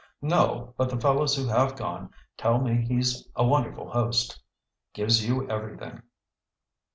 "No, but the fellows who have gone tell me he's a wonderful host. Gives you everything."